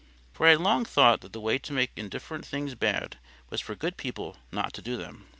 For I had long thought that the way to make indifferent things bad, was for good people not to do them.